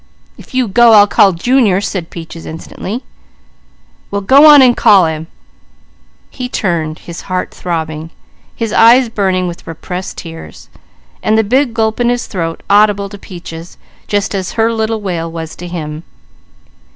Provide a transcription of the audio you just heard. "If you go, I'll call Junior!" said Peaches instantly. "Well go on and call him!" He turned, his heart throbbing, his eyes burning with repressed tears, the big gulp in his throat audible to Peaches, as her little wail was to him.